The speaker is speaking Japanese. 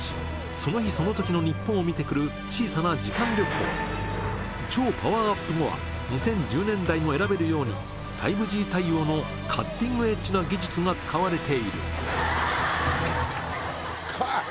その日その時の日本を見て来る小さな時間旅行超パワーアップ後は２０１０年代も選べるようにタイムジー対応のカッティングエッジな技術が使われているか！